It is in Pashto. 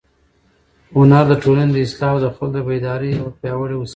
هنر د ټولنې د اصلاح او د خلکو د بیدارۍ یوه پیاوړې وسیله ده.